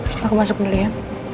terus aku masuk dulu ya